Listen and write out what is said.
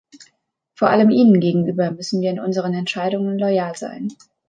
Vor allem ihnen gegenüber müssen wir in unseren Entscheidungen loyal sein.